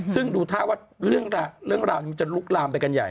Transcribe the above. ซึ่งดูท่าว่าเรื่องราวนี้จะลุกลามไปกันใหญ่